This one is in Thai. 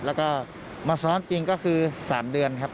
แล้วก็มาซ้อมจริงก็คือ๓เดือนครับ